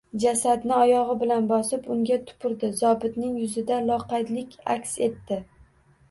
Jasadni oyog`i bilan bosib, unga tupurdi, zobitning yuzida loqaydlik aks etdi